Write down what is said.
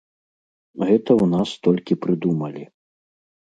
Гэта ў нас толькі прыдумалі.